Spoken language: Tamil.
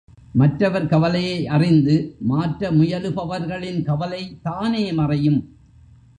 மற்றவர் கவலையை அறிந்து மாற்ற முயலுபவர்களின் கவலை தானே மறையும்.